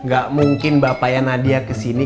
gak mungkin bapaknya nadia kesini